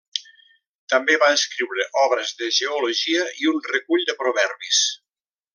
També va escriure obres de geologia i un recull de proverbis.